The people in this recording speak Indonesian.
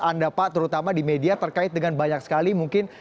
anda pak terutama di media terkait dengan banyak sekali mungkin